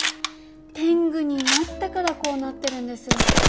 天狗になったからこうなってるんです。